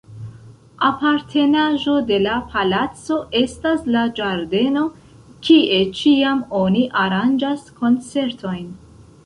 Apartenaĵo de la palaco estas la ĝardeno, kie ĉiam oni aranĝas koncertojn.